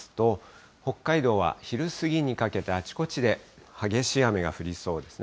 ８時から見ますと、北海道は昼過ぎにかけて、あちこちで激しい雨が降りそうですね。